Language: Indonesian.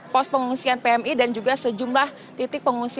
post pengungsian pmi dan juga sejumlah titik pengungsian